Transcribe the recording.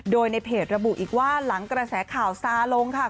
โดยในเพจระบุอีกว่าหลังกระแสข่าวซาลงค่ะ